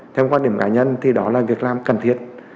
trong quan điểm cá nhân thì đó là việc làm cần thiết